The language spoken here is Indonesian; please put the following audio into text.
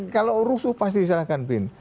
kalau rusuh pasti disalahkan bin